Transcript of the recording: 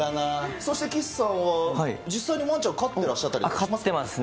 そして岸さんは実際にワンちゃん飼ってらっしゃったりしまし飼ってますね。